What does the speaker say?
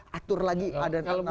ketutur lagi ada nama yang pas